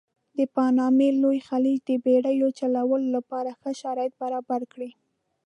د پانامې لوی خلیج د بېړیو چلولو لپاره ښه شرایط برابر کړي.